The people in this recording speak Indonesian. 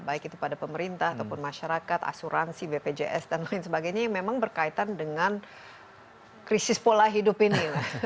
baik itu pada pemerintah ataupun masyarakat asuransi bpjs dan lain sebagainya yang memang berkaitan dengan krisis pola hidup ini